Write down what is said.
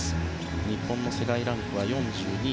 日本の世界ランクは４２位。